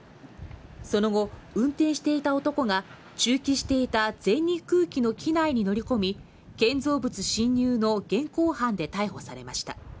その後、運転していた男が駐機していた全日空機の機内に乗り込み、建造物侵入の現行犯で逮捕されました。